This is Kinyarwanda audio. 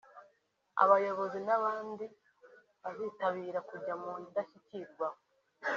aborozi n’abandi bazitabira kujya mu Ndashyikirwa